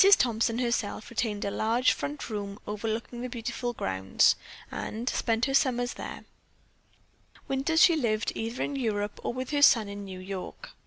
Thompson, herself, retained a large front room overlooking the beautiful grounds, and spent her summers there; winters she lived either in Europe or with her son in New York.